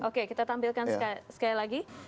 oke kita tampilkan sekali lagi